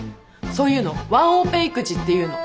そういうのワンオペ育児っていうの。